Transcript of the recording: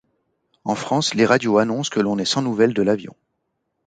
En France, les radios annoncent que l'on on est sans nouvelles de l'avion.